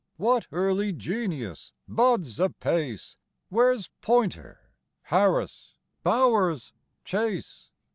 What early genius buds apace? Where's Poynter? Harris? Bowers? Chase?